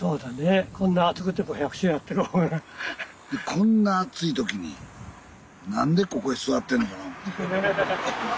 こんな暑い時に何でここへ座ってんのかな思て。